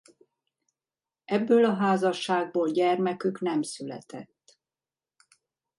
Ebből a házasságból gyermekük nem született.